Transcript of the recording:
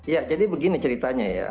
ya jadi begini ceritanya ya